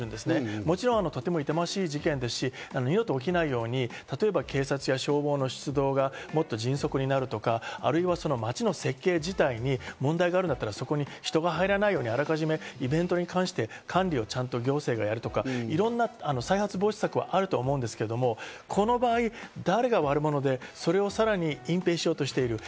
もちろん、とても痛ましい事件ですし、二度と起きないように、例えば警察や消防の出動がもっと迅速になるとか、町の設計自体に問題があるんだったら、そこに人が入らないように、あらかじめイベントに関して管理をちゃんと行政がやるとか、再発防止策はいろいろあると思うんですが、この場合、誰が悪者で、さらにそれを隠蔽しようとしている。